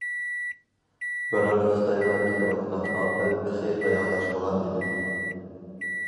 بىراق خىتايغا كېلىۋاتقان ئاپەت تېخى ئاياغلاشمىغان ئىدى.